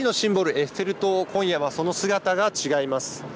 エッフェル塔、今夜はその姿が違います。